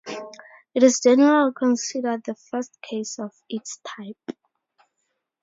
It is generally considered the first case of its type.